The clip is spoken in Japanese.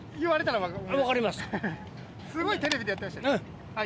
すごいテレビでやってました。